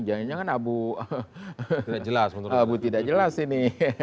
jangan jangan abu tidak jelas ini